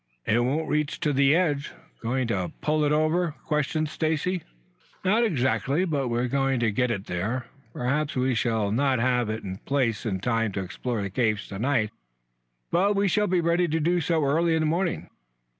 "It won't reach to the edge. Going to pull it over?" questioned Stacy. "Not exactly, but we're going to get it there. Perhaps we shall not have it in place in time to explore the caves to night, but we shall be ready to do so early in the morning.